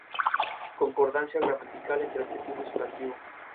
Concordancia gramatical entre adjetivo y sustantivo.